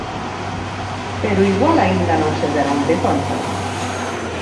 Pero igual aínda non se deron de conta.